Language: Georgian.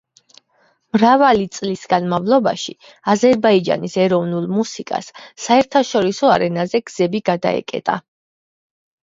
მრავალი წლის განმავლობაში, აზერბაიჯანის ეროვნულ მუსიკას საერთაშორისო არენაზე გზები გადაეკეტა.